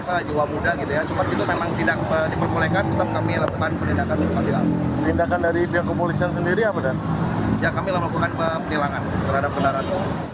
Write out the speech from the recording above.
sejumlah pemudik dan wisatawan ditilang petugas sat lantas polores bogor jawa barat